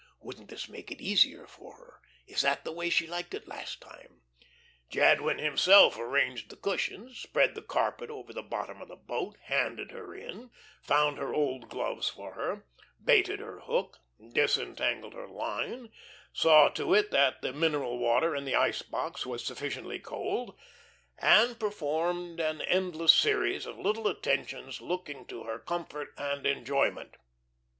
"Wouldn't this make it easier for her?" "Is that the way she liked it last time?" Jadwin himself arranged the cushions, spread the carpet over the bottom of the boat, handed her in, found her old gloves for her, baited her hook, disentangled her line, saw to it that the mineral water in the ice box was sufficiently cold, and performed an endless series of little attentions looking to her comfort and enjoyment.